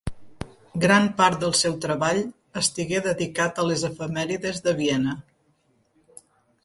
Gran part del seu treball estigué dedicat a les efemèrides de Viena.